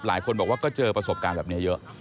หลายคนบอกว่าก็เจอประสบการณ์แบบนี้เยอะ